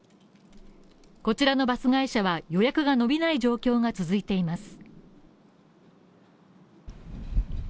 こちらのバス会社は予約が伸びない状況が続いています。